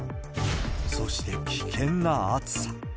そして危険な暑さ。